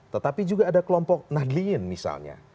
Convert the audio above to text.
tetapi juga ada kelompok nahdliyin misalnya